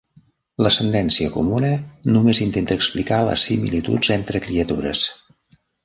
L'ascendència comuna només intenta explicar les "similituds" entre criatures.